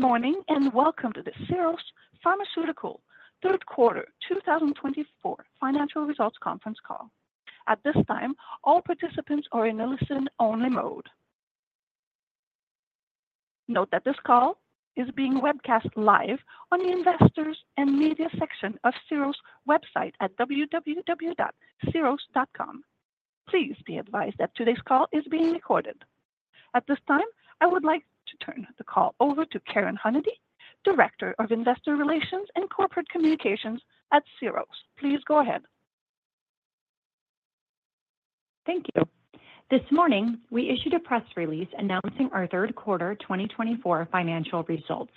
Good morning and welcome to the Syros Pharmaceuticals third quarter 2024 financial results conference call. At this time, all participants are in a listen-only mode. Note that this call is being webcast live on the investors' and media section of Syros' website at www.syros.com. Please be advised that today's call is being recorded. At this time, I would like to turn the call over to Karen Hunady, Director of Investor Relations and Corporate Communications at Syros. Please go ahead. Thank you. This morning, we issued a press release announcing our third quarter 2024 financial results.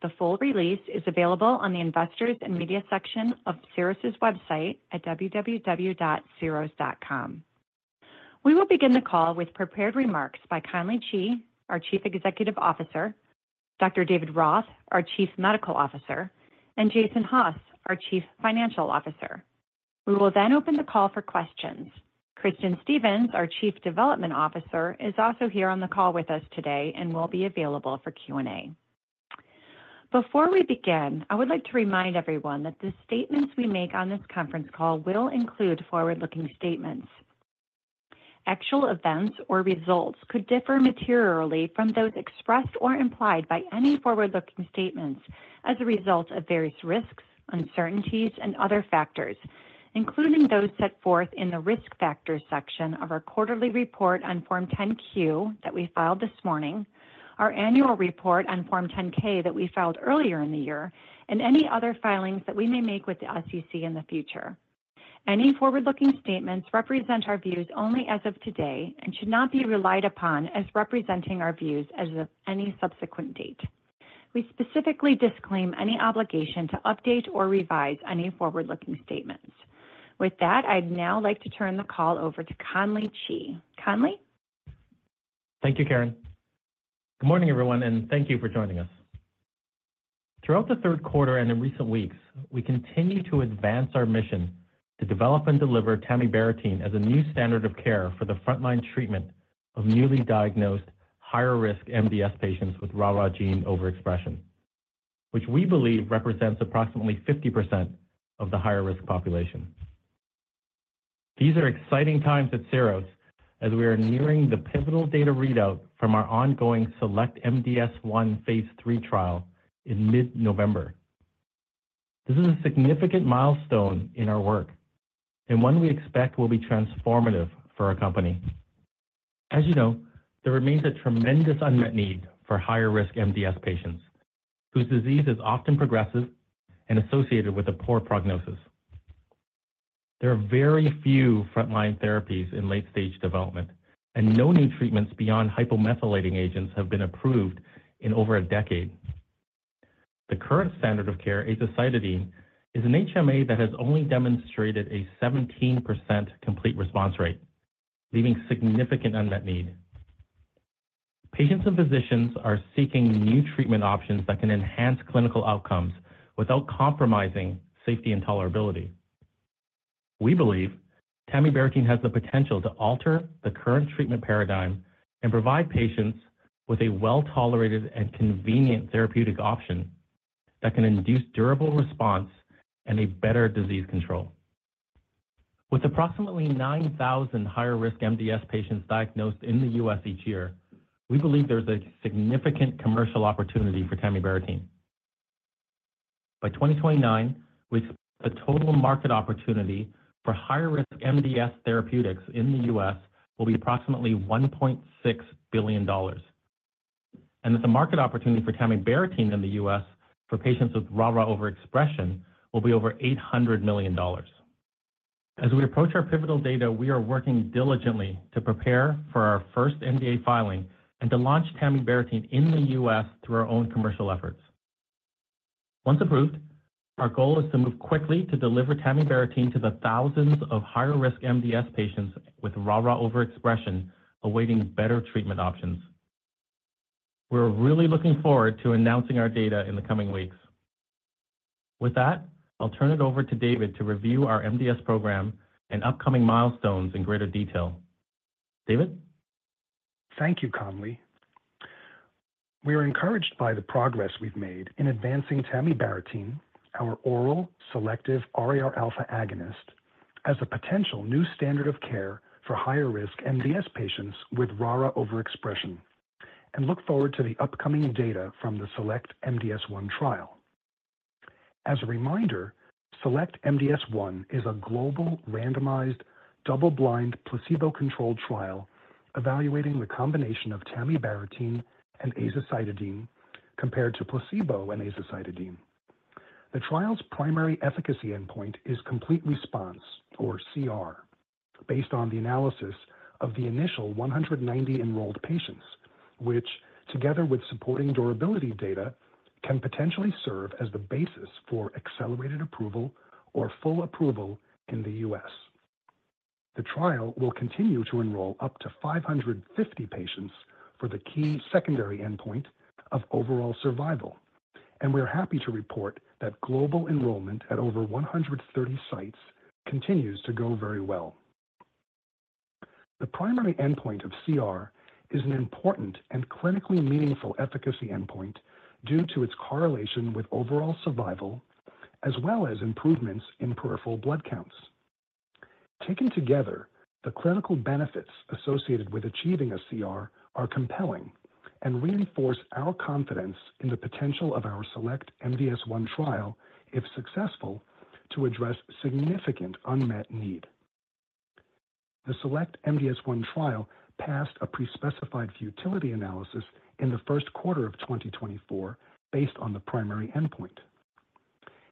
The full release is available on the investors' and media section of Syros' website at www.syros.com. We will begin the call with prepared remarks by Conley Chee, our Chief Executive Officer, Dr. David Roth, our Chief Medical Officer, and Jason Haas, our Chief Financial Officer. We will then open the call for questions. Kristin Stephens, our Chief Development Officer, is also here on the call with us today and will be available for Q&A. Before we begin, I would like to remind everyone that the statements we make on this conference call will include forward-looking statements. Actual events or results could differ materially from those expressed or implied by any forward-looking statements as a result of various risks, uncertainties, and other factors, including those set forth in the risk factors section of our quarterly report on Form 10-Q that we filed this morning, our annual report on Form 10-K that we filed earlier in the year, and any other filings that we may make with the SEC in the future. Any forward-looking statements represent our views only as of today and should not be relied upon as representing our views as of any subsequent date. We specifically disclaim any obligation to update or revise any forward-looking statements. With that, I'd now like to turn the call over to Conley Chee. Conley? Thank you, Karen. Good morning, everyone, and thank you for joining us. Throughout the third quarter and in recent weeks, we continue to advance our mission to develop and deliver tamibarotene as a new standard of care for the frontline treatment of newly diagnosed higher-risk MDS patients with RARA gene overexpression, which we believe represents approximately 50% of the higher-risk population. These are exciting times at Syros as we are nearing the pivotal data readout from our ongoing SELECT-MDS-1 Phase 3 trial in mid-November. This is a significant milestone in our work and one we expect will be transformative for our company. As you know, there remains a tremendous unmet need for higher-risk MDS patients whose disease is often progressive and associated with a poor prognosis. There are very few frontline therapies in late-stage development, and no new treatments beyond hypomethylating agents have been approved in over a decade. The current standard of care, azacitidine, is an HMA that has only demonstrated a 17% complete response rate, leaving significant unmet need. Patients and physicians are seeking new treatment options that can enhance clinical outcomes without compromising safety and tolerability. We believe tamibarotene has the potential to alter the current treatment paradigm and provide patients with a well-tolerated and convenient therapeutic option that can induce durable response and a better disease control. With approximately 9,000 higher-risk MDS patients diagnosed in the U.S. each year, we believe there's a significant commercial opportunity for tamibarotene. By 2029, we expect the total market opportunity for higher-risk MDS therapeutics in the U.S. will be approximately $1.6 billion, and that the market opportunity for tamibarotene in the U.S. for patients with RARA overexpression will be over $800 million. As we approach our pivotal data, we are working diligently to prepare for our first NDA filing and to launch tamibarotene in the U.S. through our own commercial efforts. Once approved, our goal is to move quickly to deliver tamibarotene to the thousands of higher-risk MDS patients with RARA overexpression awaiting better treatment options. We're really looking forward to announcing our data in the coming weeks. With that, I'll turn it over to David to review our MDS program and upcoming milestones in greater detail. David? Thank you, Conley. We are encouraged by the progress we've made in advancing tamibarotene, our oral selective RAR alpha agonist, as a potential new standard of care for higher-risk MDS patients with RARA overexpression and look forward to the upcoming data from the Select MDS1 trial. As a reminder, Select MDS1 is a global randomized double-blind placebo-controlled trial evaluating the combination of tamibarotene and azacitidine compared to placebo and azacitidine. The trial's primary efficacy endpoint is complete response, or CR, based on the analysis of the initial 190 enrolled patients, which, together with supporting durability data, can potentially serve as the basis for accelerated approval or full approval in the U.S. The trial will continue to enroll up to 550 patients for the key secondary endpoint of overall survival, and we're happy to report that global enrollment at over 130 sites continues to go very well. The primary endpoint of CR is an important and clinically meaningful efficacy endpoint due to its correlation with overall survival as well as improvements in peripheral blood counts. Taken together, the clinical benefits associated with achieving a CR are compelling and reinforce our confidence in the potential of our Select MDS1 trial, if successful, to address significant unmet need. The Select MDS1 trial passed a pre-specified futility analysis in the first quarter of 2024 based on the primary endpoint.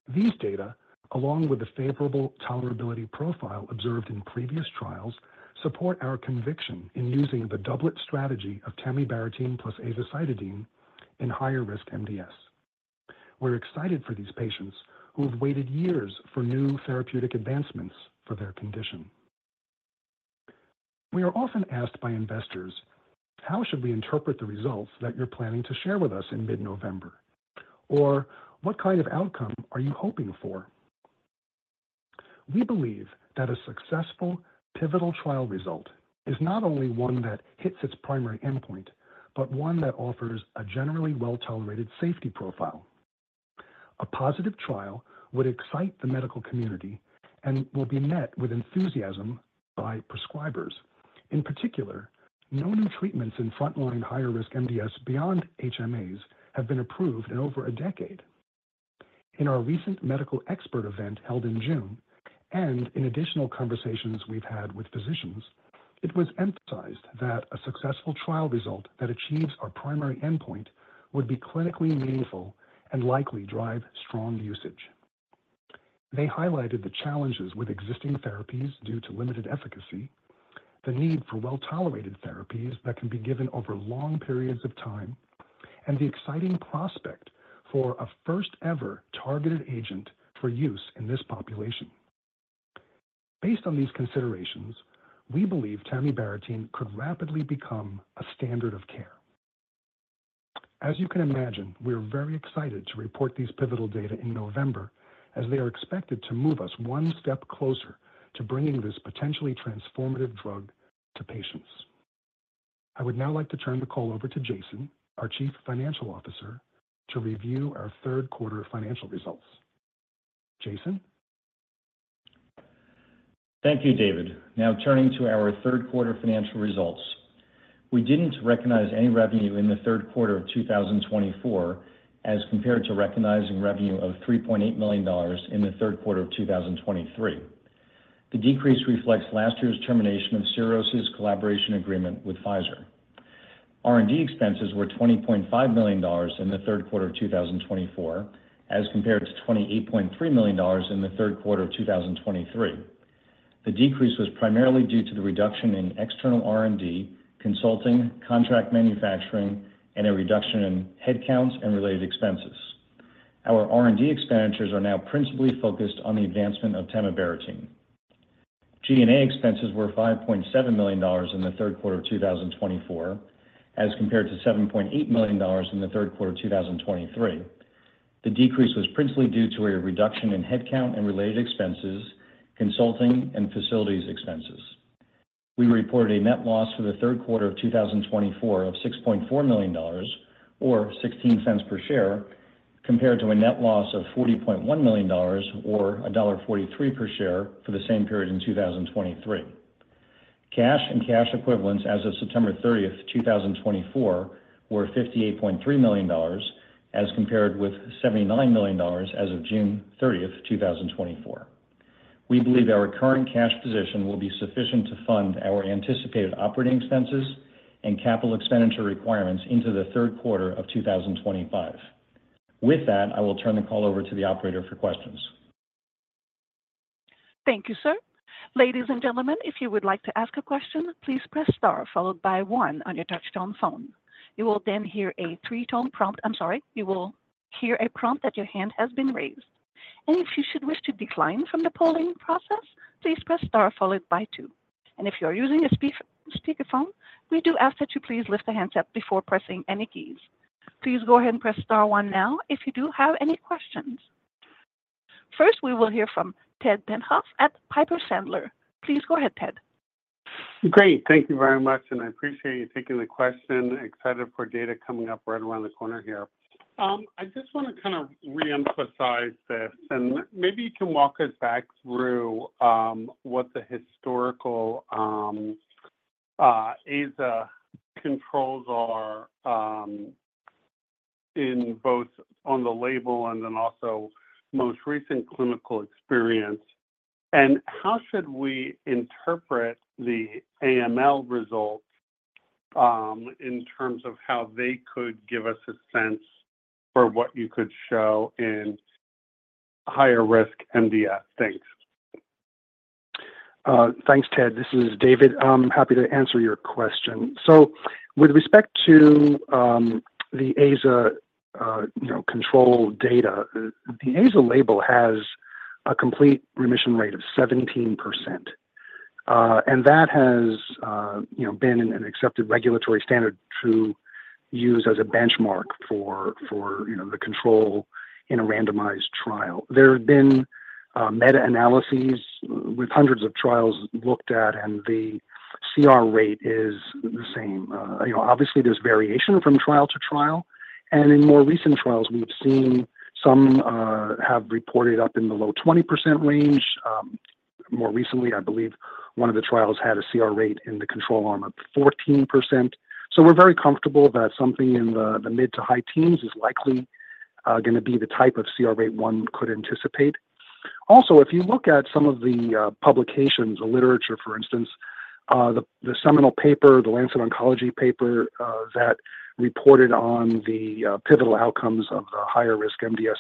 These data, along with the favorable tolerability profile observed in previous trials, support our conviction in using the doublet strategy of tamibarotene plus azacitidine in higher-risk MDS. We're excited for these patients who have waited years for new therapeutic advancements for their condition. We are often asked by investors, "How should we interpret the results that you're planning to share with us in mid-November?" or "What kind of outcome are you hoping for?" We believe that a successful pivotal trial result is not only one that hits its primary endpoint but one that offers a generally well-tolerated safety profile. A positive trial would excite the medical community and will be met with enthusiasm by prescribers. In particular, no new treatments in frontline higher-risk MDS beyond HMAs have been approved in over a decade. In our recent medical expert event held in June and in additional conversations we've had with physicians, it was emphasized that a successful trial result that achieves our primary endpoint would be clinically meaningful and likely drive strong usage. They highlighted the challenges with existing therapies due to limited efficacy, the need for well-tolerated therapies that can be given over long periods of time, and the exciting prospect for a first-ever targeted agent for use in this population. Based on these considerations, we believe tamibarotene could rapidly become a standard of care. As you can imagine, we are very excited to report these pivotal data in November as they are expected to move us one step closer to bringing this potentially transformative drug to patients. I would now like to turn the call over to Jason, our Chief Financial Officer, to review our third quarter financial results. Jason? Thank you, David. Now turning to our third quarter financial results. We didn't recognize any revenue in the third quarter of 2024 as compared to recognizing revenue of $3.8 million in the third quarter of 2023. The decrease reflects last year's termination of Syros' collaboration agreement with Pfizer. R&D expenses were $20.5 million in the third quarter of 2024 as compared to $28.3 million in the third quarter of 2023. The decrease was primarily due to the reduction in external R&D, consulting, contract manufacturing, and a reduction in head counts and related expenses. Our R&D expenditures are now principally focused on the advancement of tamibarotene. G&A expenses were $5.7 million in the third quarter of 2024 as compared to $7.8 million in the third quarter of 2023. The decrease was principally due to a reduction in head count and related expenses, consulting, and facilities expenses. We reported a net loss for the third quarter of 2024 of $6.4 million, or $0.16 per share, compared to a net loss of $40.1 million, or $1.43 per share for the same period in 2023. Cash and cash equivalents as of September 30, 2024, were $58.3 million as compared with $79 million as of June 30, 2024. We believe our current cash position will be sufficient to fund our anticipated operating expenses and capital expenditure requirements into the third quarter of 2025. With that, I will turn the call over to the operator for questions. Thank you, sir. Ladies and gentlemen, if you would like to ask a question, please press star followed by one on your touch-tone phone. You will then hear a three-tone prompt. I'm sorry. You will hear a prompt that your hand has been raised. And if you should wish to decline from the polling process, please press star followed by two. And if you're using a speakerphone, we do ask that you please lift the handset up before pressing any keys. Please go ahead and press star one now if you do have any questions. First, we will hear from Ted Tenthoff at Piper Sandler. Please go ahead, Ted. Great. Thank you very much, and I appreciate you taking the question. Excited for data coming up right around the corner here. I just want to kind of reemphasize this, and maybe you can walk us back through what the historical AZA controls are in both on the label and then also most recent clinical experience. And how should we interpret the AML results in terms of how they could give us a sense for what you could show in higher-risk MDS? Thanks. Thanks, Ted. This is David. I'm happy to answer your question. So with respect to the AZA control data, the AZA label has a complete remission rate of 17%, and that has been an accepted regulatory standard to use as a benchmark for the control in a randomized trial. There have been meta-analyses with hundreds of trials looked at, and the CR rate is the same. Obviously, there's variation from trial to trial, and in more recent trials, we've seen some have reported up in the low 20% range. More recently, I believe one of the trials had a CR rate in the control arm of 14%. So we're very comfortable that something in the mid to high teens is likely going to be the type of CR rate one could anticipate. Also, if you look at some of the publications, the literature, for instance, the seminal paper, the Lancet Oncology paper that reported on the pivotal outcomes of the higher-risk MDS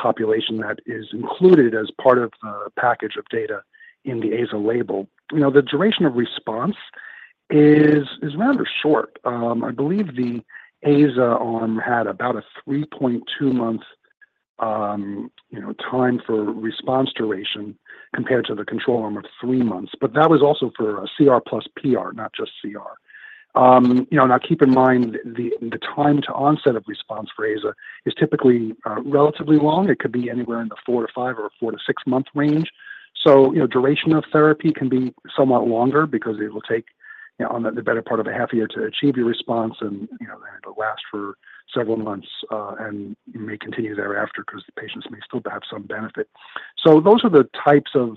population that is included as part of the package of data in the AZA label, the duration of response is rather short. I believe the AZA arm had about a 3.2-month time for response duration compared to the control arm of three months, but that was also for CR plus PR, not just CR. Now, keep in mind the time to onset of response for AZA is typically relatively long. It could be anywhere in the four to five or four to six-month range. So duration of therapy can be somewhat longer because it will take the better part of a half year to achieve your response, and then it will last for several months and may continue thereafter because patients may still have some benefit. So those are the types of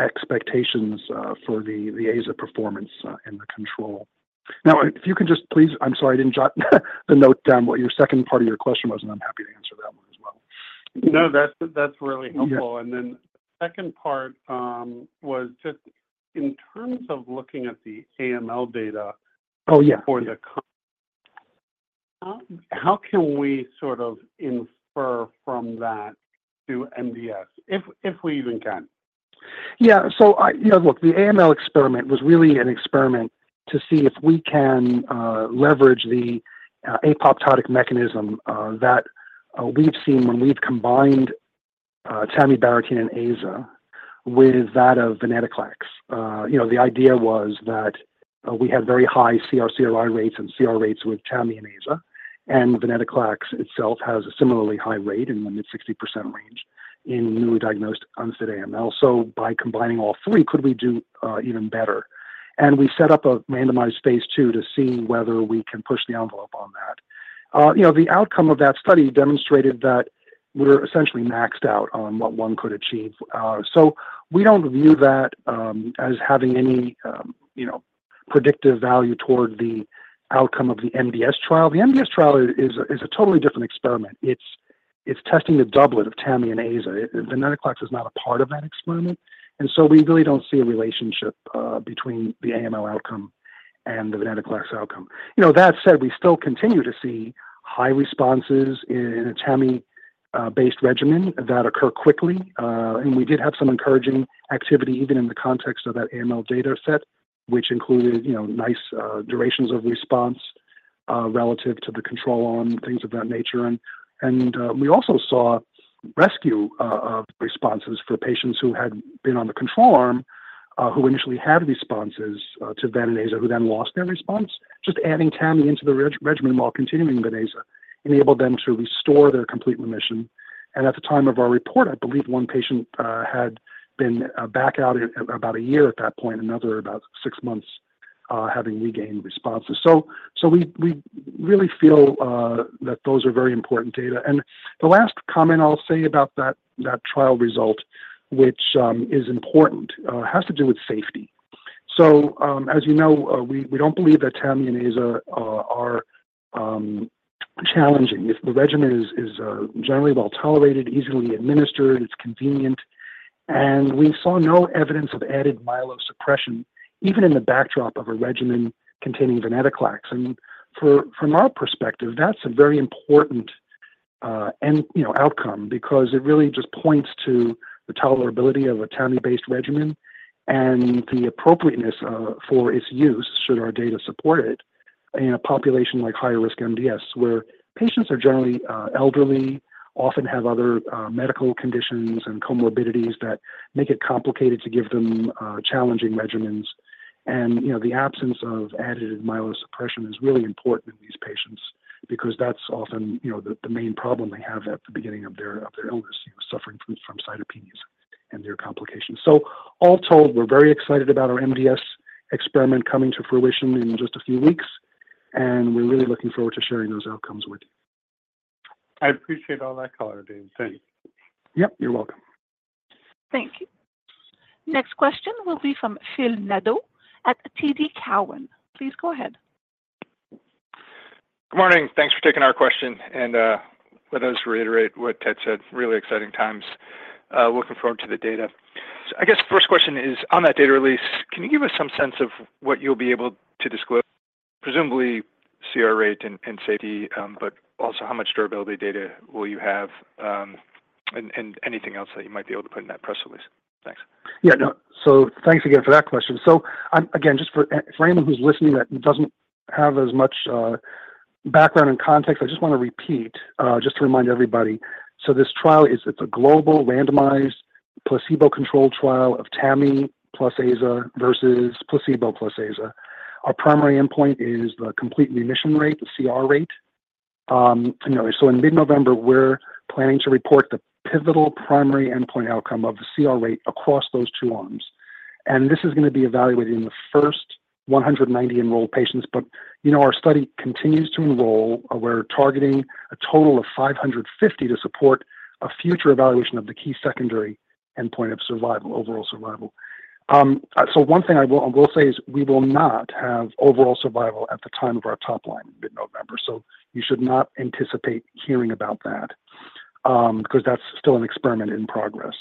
expectations for the AZA performance in the control. Now, if you can just please, I'm sorry, I didn't jot the note down what your second part of your question was, and I'm happy to answer that one as well. No, that's really helpful. And then the second part was just in terms of looking at the AML data for the- Oh, yeah. How can we sort of infer from that to MDS, if we even can? Yeah. So look, the AML experiment was really an experiment to see if we can leverage the apoptotic mechanism that we've seen when we've combined tamibarotene and AZA with that of venetoclax. The idea was that we had very high CR/CRi rates and CR rates with tami and AZA, and venetoclax itself has a similarly high rate in the mid 60% range in newly diagnosed unfit AML. So by combining all three, could we do even better? And we set up a randomized Phase 2 to see whether we can push the envelope on that. The outcome of that study demonstrated that we were essentially maxed out on what one could achieve. So we don't view that as having any predictive value toward the outcome of the MDS trial. The MDS trial is a totally different experiment. It's testing the doublet of tami and AZA. Venetoclax is not a part of that experiment, and so we really don't see a relationship between the AML outcome and the venetoclax outcome. That said, we still continue to see high responses in a tami-based regimen that occur quickly, and we did have some encouraging activity even in the context of that AML data set, which included nice durations of response relative to the control arm, things of that nature, and we also saw rescue responses for patients who had been on the control arm, who initially had responses to ven + aza, who then lost their response. Just adding tami into the regimen while continuing ven + aza enabled them to restore their complete remission, and at the time of our report, I believe one patient had been back in about a year at that point, another about six months having regained responses. So we really feel that those are very important data. And the last comment I'll say about that trial result, which is important, has to do with safety. So as you know, we don't believe that tami and AZA are challenging. The regimen is generally well tolerated, easily administered, it's convenient, and we saw no evidence of added myelosuppression even in the backdrop of a regimen containing venetoclax. And from our perspective, that's a very important outcome because it really just points to the tolerability of a tami-based regimen and the appropriateness for its use should our data support it in a population like higher-risk MDS where patients are generally elderly, often have other medical conditions and comorbidities that make it complicated to give them challenging regimens. And the absence of additive myelosuppression is really important in these patients because that's often the main problem they have at the beginning of their illness, suffering from cytopenias and their complications. So all told, we're very excited about our MDS experiment coming to fruition in just a few weeks, and we're really looking forward to sharing those outcomes with you. I appreciate all that, Color on that. Thanks. Yep, you're welcome. Thank you. Next question will be from Phil Nadeau at TD Cowen. Please go ahead. Good morning. Thanks for taking our question. And let us reiterate what Ted said. Really exciting times. Looking forward to the data. I guess the first question is on that data release, can you give us some sense of what you'll be able to disclose, presumably CR rate and safety, but also how much durability data will you have and anything else that you might be able to put in that press release? Thanks. Yeah. So thanks again for that question. So again, just for anyone who's listening that doesn't have as much background and context, I just want to repeat just to remind everybody. So this trial is a global randomized placebo-controlled trial of tami plus AZA versus placebo plus AZA. Our primary endpoint is the complete remission rate, the CR rate. So in mid-November, we're planning to report the pivotal primary endpoint outcome of the CR rate across those two arms. And this is going to be evaluated in the first 190 enrolled patients, but our study continues to enroll. We're targeting a total of 550 to support a future evaluation of the key secondary endpoint of overall survival. So one thing I will say is we will not have overall survival at the time of our top line in mid-November. So you should not anticipate hearing about that because that's still an experiment in progress.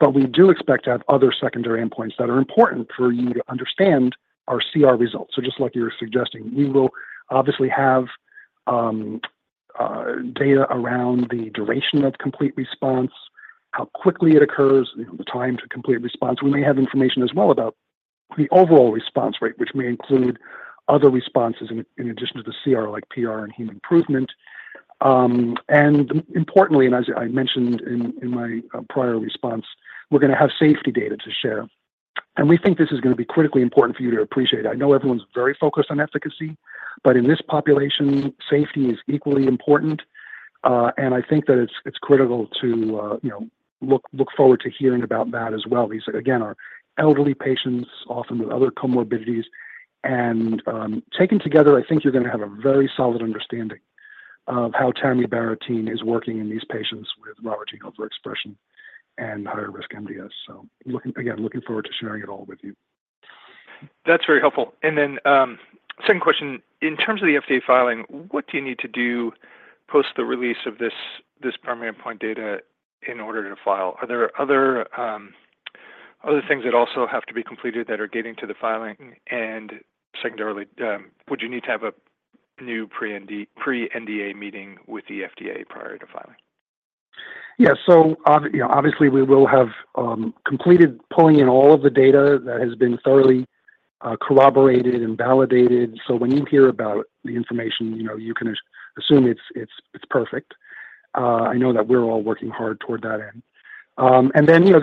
But we do expect to have other secondary endpoints that are important for you to understand our CR results. So just like you're suggesting, we will obviously have data around the duration of complete response, how quickly it occurs, the time to complete response. We may have information as well about the overall response rate, which may include other responses in addition to the CR like PR and hematologic improvement. And importantly, and as I mentioned in my prior response, we're going to have safety data to share. And we think this is going to be critically important for you to appreciate. I know everyone's very focused on efficacy, but in this population, safety is equally important. And I think that it's critical to look forward to hearing about that as well. These, again, are elderly patients often with other comorbidities, and taken together, I think you're going to have a very solid understanding of how tamibarotene is working in these patients with RARA overexpression and higher-risk MDS, so again, looking forward to sharing it all with you. That's very helpful. And then second question, in terms of the FDA filing, what do you need to do post the release of this primary endpoint data in order to file? Are there other things that also have to be completed that are getting to the filing? And secondarily, would you need to have a new pre-NDA meeting with the FDA prior to filing? Yeah. So obviously, we will have completed pulling in all of the data that has been thoroughly corroborated and validated. So when you hear about the information, you can assume it's perfect. I know that we're all working hard toward that end. And then there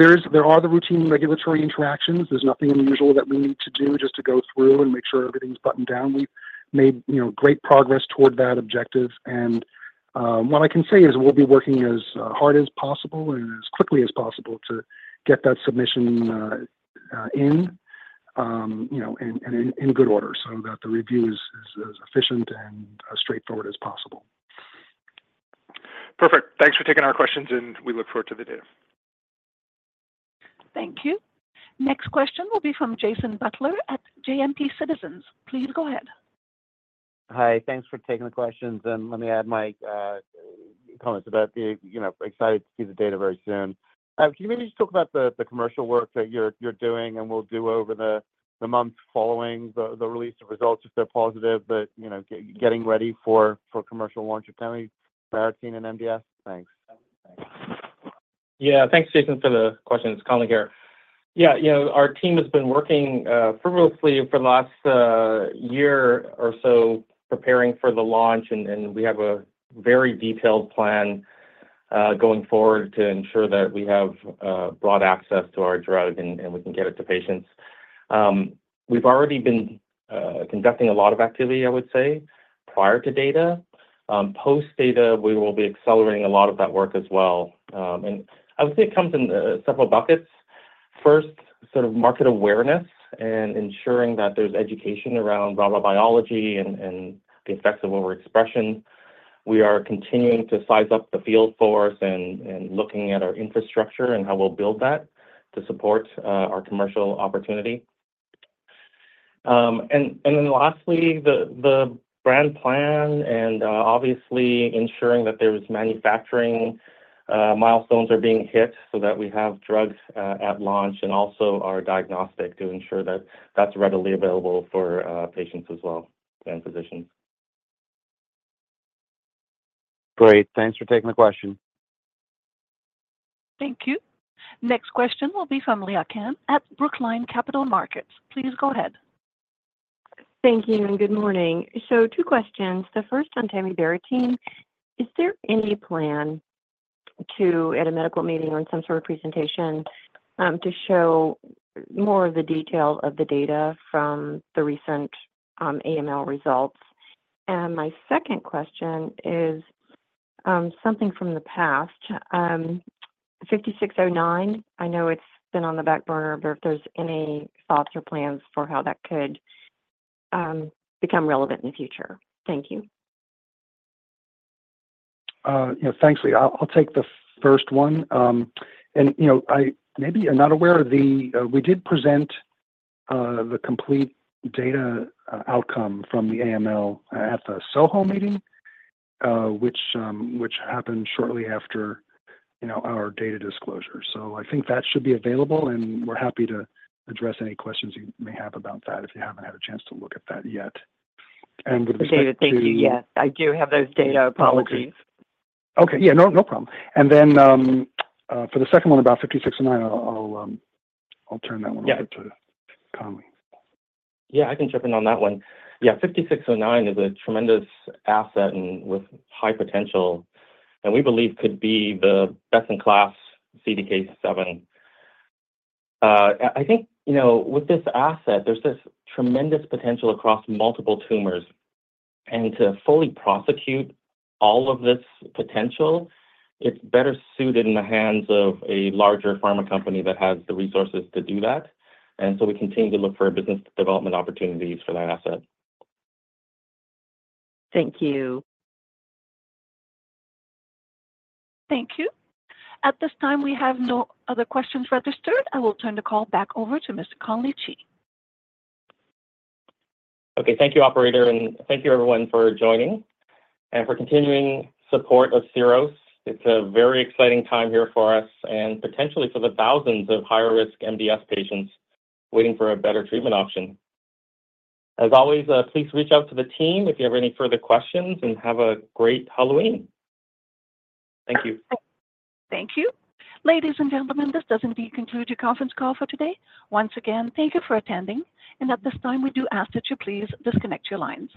are the routine regulatory interactions. There's nothing unusual that we need to do just to go through and make sure everything's buttoned down. We've made great progress toward that objective. And what I can say is we'll be working as hard as possible and as quickly as possible to get that submission in and in good order so that the review is as efficient and straightforward as possible. Perfect. Thanks for taking our questions, and we look forward to the data. Thank you. Next question will be from Jason Butler at Citizens JMP. Please go ahead. Hi. Thanks for taking the questions. And let me add my comments about the excited to see the data very soon. Can you maybe just talk about the commercial work that you're doing and will do over the months following the release of results if they're positive, but getting ready for commercial launch of tamibarotene and MDS? Thanks. Yeah. Thanks, Jason, for the questions. Conley here. Yeah. Our team has been working frenetically for the last year or so preparing for the launch, and we have a very detailed plan going forward to ensure that we have broad access to our drug and we can get it to patients. We've already been conducting a lot of activity, I would say, prior to data. Post data, we will be accelerating a lot of that work as well, and I would say it comes in several buckets. First, sort of market awareness and ensuring that there's education around RARA biology and the effects of overexpression. We are continuing to size up the field for us and looking at our infrastructure and how we'll build that to support our commercial opportunity. Lastly, the brand plan and obviously ensuring that there's manufacturing milestones are being hit so that we have drugs at launch and also our diagnostic to ensure that that's readily available for patients as well and physicians. Great. Thanks for taking the question. Thank you. Next question will be from Leah Cann at Brookline Capital Markets. Please go ahead. Thank you. And good morning. So two questions. The first on tamibarotene. Is there any plan to, at a medical meeting or in some sort of presentation, to show more of the detail of the data from the recent AML results? And my second question is something from the past. 5609, I know it's been on the back burner, but if there's any thoughts or plans for how that could become relevant in the future. Thank you. Thanks, Leah. I'll take the first one. And maybe I'm not aware, but we did present the complete data outcome from the AML at the SOHO meeting, which happened shortly after our data disclosure. So I think that should be available, and we're happy to address any questions you may have about that if you haven't had a chance to look at that yet. And would it be great if you? Appreciate it. Thank you. Yes. I do have those data. Apologies. Okay. Yeah. No problem. And then for the second one about 5609, I'll turn that one over to Conley. Yeah. I can jump in on that one. Yeah. 5609 is a tremendous asset and with high potential, and we believe could be the best-in-class CDK7. I think with this asset, there's this tremendous potential across multiple tumors. And to fully prosecute all of this potential, it's better suited in the hands of a larger pharma company that has the resources to do that. And so we continue to look for business development opportunities for that asset. Thank you. Thank you. At this time, we have no other questions registered. I will turn the call back over to Mr. Conley Chee. Okay. Thank you, operator. And thank you, everyone, for joining and for continuing support of Syros. It's a very exciting time here for us and potentially for the thousands of higher-risk MDS patients waiting for a better treatment option. As always, please reach out to the team if you have any further questions and have a great Halloween. Thank you. Thank you. Ladies and gentlemen, this doesn't conclude your conference call for today. Once again, thank you for attending. And at this time, we do ask that you please disconnect your lines.